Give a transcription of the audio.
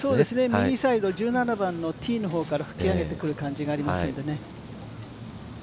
右サイド、１７番のティーの方から吹き上げてくる感じがあるのでね。